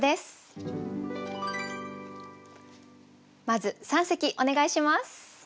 まず三席お願いします。